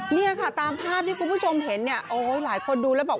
เนี่ยค่ะตามภาพที่คุณผู้ชมเห็นเนี่ยโอ้ยหลายคนดูแล้วบอก